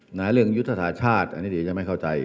ไหนเรื่องยุทธศาสตร์ชาติอันนี้เดี๋ยวจะไม่เข้าใจ